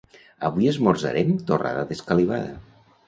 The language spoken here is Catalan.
Avui esmorzarem torrada d'escalivada.